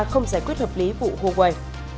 không giải quyết hợp lý vụ hồ quẩy